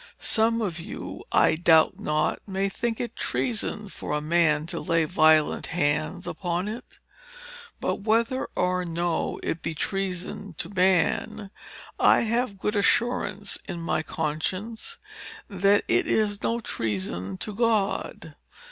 Some of you, I doubt not, may think it treason for a man to lay violent hands upon it. But whether or no it be treason to man, I have good assurance in my conscience that it is no treason to God.